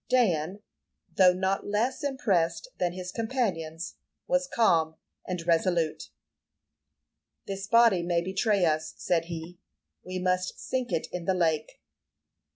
Dan, though not less impressed than his companions, was calm and resolute. "This body may betray us," said he. "We must sink it in the lake."